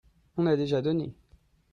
On a déjà donné